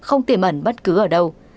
không tiềm ẩn bất cứ ở đâu